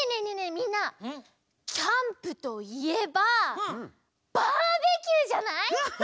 みんなキャンプといえばバーベキューじゃない？